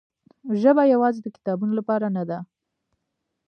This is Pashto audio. ژبه یوازې د کتابونو لپاره نه ده.